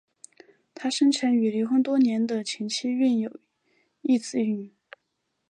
他生前与离婚多年的前妻育有一子一女。